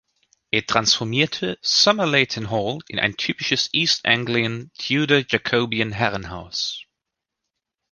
Er transformierte Somerleyton Hall in ein typisches East Anglian Tudor-Jacobian Herrenhaus.